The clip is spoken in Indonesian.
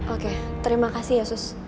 oke terima kasih ya sus